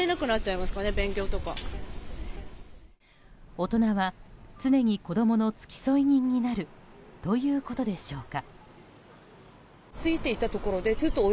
大人は常に子供の付き添い人になるということでしょうか。